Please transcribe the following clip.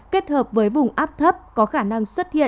kết hợp với vùng áp thấp có khả năng xuất hiện